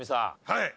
はい。